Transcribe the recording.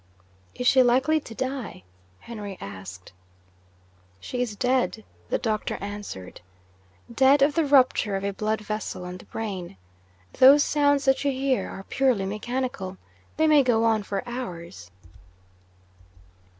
'Is she likely to die?' Henry asked. 'She is dead,' the doctor answered. 'Dead of the rupture of a blood vessel on the brain. Those sounds that you hear are purely mechanical they may go on for hours.'